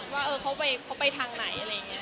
ว่าเขาไปทางไหน